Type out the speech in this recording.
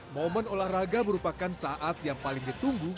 momen olahraga merupakan saat yang paling ditunggu